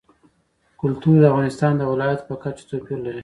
کلتور د افغانستان د ولایاتو په کچه توپیر لري.